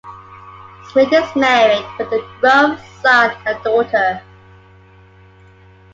Smith is married with a grown son and daughter.